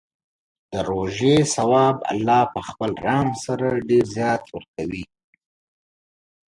د روژې ثواب الله په خپل رحم سره ډېر زیات ورکوي.